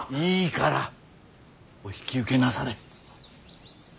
いいからお引き受けなされ。